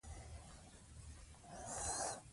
روڼتیا بیا د خلکو ترمنځ باور پیاوړی کوي.